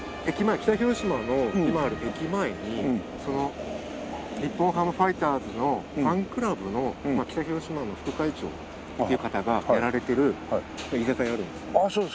北広島の今ある駅前に日本ハムファイターズのファンクラブの北広島の副会長っていう方がやられてる居酒屋あるんです。